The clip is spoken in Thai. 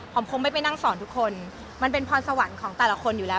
คงไม่ไปนั่งสอนทุกคนมันเป็นพรสวรรค์ของแต่ละคนอยู่แล้ว